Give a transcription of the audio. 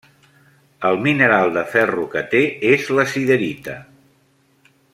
El mineral de ferro que té és la siderita.